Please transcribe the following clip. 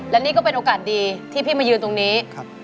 และนี่ก็เป็นโอกาสดีที่พี่มายืนตรงนี้